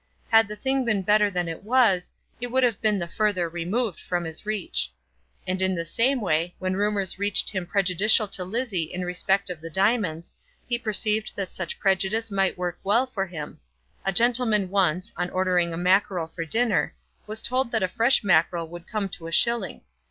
Had the thing been better than it was, it would have been the further removed from his reach. And in the same way, when rumours reached him prejudicial to Lizzie in respect of the diamonds, he perceived that such prejudice might work weal for him. A gentleman once, on ordering a mackerel for dinner, was told that a fresh mackerel would come to a shilling.